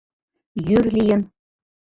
Йӱр лийын.